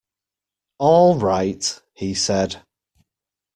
"All right," he said.